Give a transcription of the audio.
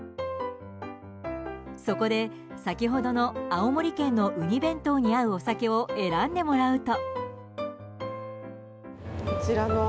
そこで、先ほどの青森県のウニ弁当に合うお酒を選んでもらうと。